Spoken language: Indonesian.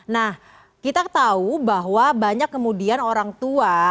nah kita tahu bahwa banyak kemudian orang tua